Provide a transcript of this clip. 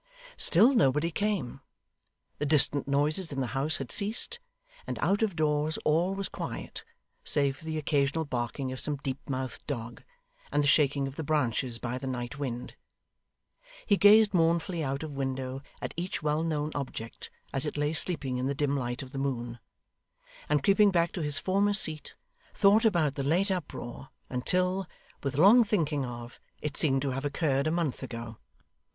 Still nobody came. The distant noises in the house had ceased, and out of doors all was quiet; save for the occasional barking of some deep mouthed dog, and the shaking of the branches by the night wind. He gazed mournfully out of window at each well known object as it lay sleeping in the dim light of the moon; and creeping back to his former seat, thought about the late uproar, until, with long thinking of, it seemed to have occurred a month ago.